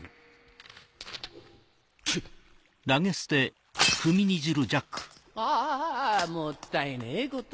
ケッ！ああもったいねえことを。